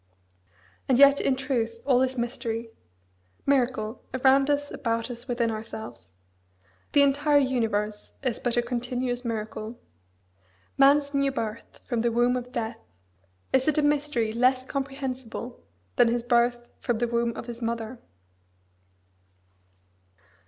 and yet in truth all is mystery, miracle, around us, about us, within ourselves. The entire universe is but a continuous miracle. Man's new birth from the womb of death is it a mystery less comprehensible than his birth from the womb of his mother?